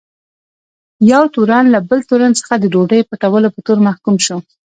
یو تورن له بل تورن څخه د ډوډۍ پټولو په تور محکوم شو.